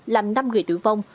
làm năm người tử vong